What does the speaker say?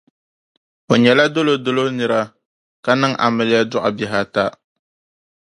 O nyɛla dolo dolo nira ka niŋ amiliya dɔɣi bihi ata.